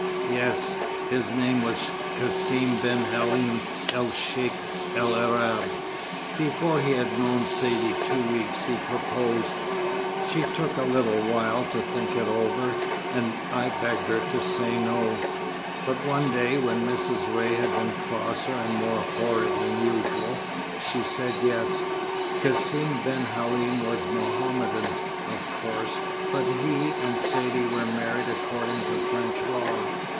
"Yes. His name was Cassim ben Halim el Cheikh el Arab. Before he had known Saidee two weeks, he proposed. She took a little while to think it over, and I begged her to say 'no' but one day when Mrs. Ray had been crosser and more horrid than usual, she said 'yes'. Cassim ben Halim was Mohammedan, of course, but he and Saidee were married according to French law.